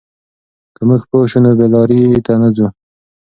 که موږ پوه شو، نو بې لارۍ ته نه ځو.